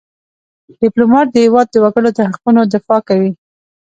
ډيپلومات د هېواد د وګړو د حقوقو دفاع کوي .